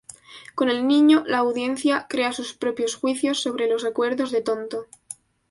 Con el niño, la audiencia crea sus propios juicios sobre los recuerdos de Tonto.